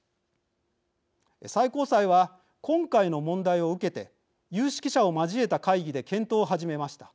最高裁は、今回の問題を受けて有識者を交えた会議で検討を始めました。